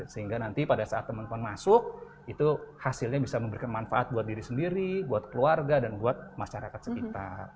sehingga nanti pada saat teman teman masuk itu hasilnya bisa memberikan manfaat buat diri sendiri buat keluarga dan buat masyarakat sekitar